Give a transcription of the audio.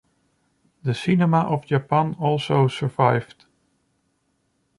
The cinema of Japan also survived.